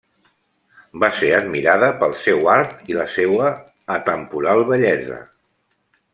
Va ser admirada pel seu art i la seua atemporal bellesa.